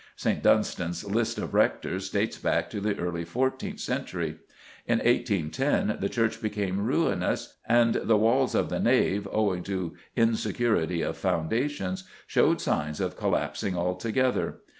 St. Dunstan's list of rectors dates back to the early fourteenth century. In 1810 the church became ruinous, and the walls of the nave, owing to insecurity of foundation, showed signs of collapsing altogether.